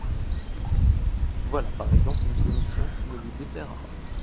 Voilà, par exemple, une commission qui ne vous déplaira pas.